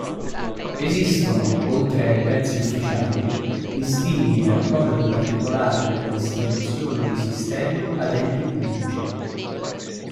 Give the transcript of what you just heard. Esistono, oltre ai prezzi ufficiali, listini e accordi particolari per la distribuzione dei sistemi ad enti pubblici.